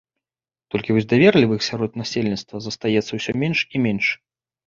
Толькі вось даверлівых сярод насельніцтва застаецца ўсё менш і менш.